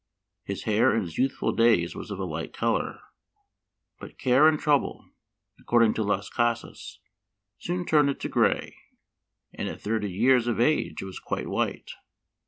His hair in his youthful days was of a light color, but care and trouble, according to Las Casas, soon turned it to gray, and at thirty years of age it was quite white.